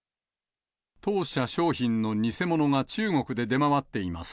当社商品の偽物が中国で出回っています。